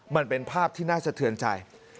มันเป็นภาพที่น่าสะเทือนใจ